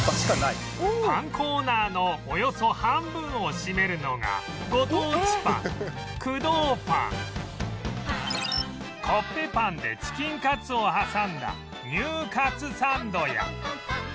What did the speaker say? パンコーナーのおよそ半分を占めるのがご当地パン工藤パンコッペパンでチキンカツを挟んだニューカツサンドや